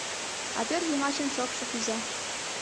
А пӧрт йымачын шокшо кӱза.